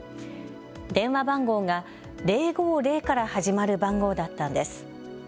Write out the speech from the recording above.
電話番号が０５０から始まる番号だったのです。